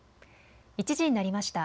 １時になりました。